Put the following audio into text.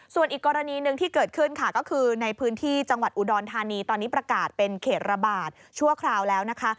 ส่วนอีกกรณีหนึ่งที่เกิดขึ้นค่ะก็คือในพื้นที่จังหวัดอุดรธานีตอนนี้ประกาศเป็นเขตระบาดชั่วคราวแล้วนะคะ